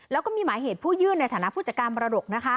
แล้วก็มีหมายเหตุผู้ยื่นในฐานะผู้จัดการมรดก